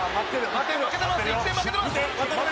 １点負けてます！」